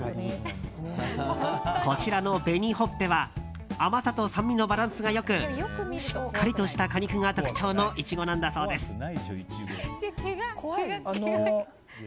こちらの紅ほっぺは甘さと酸味のバランスが良くしっかりとした果肉が特徴のイチゴなんだそうです。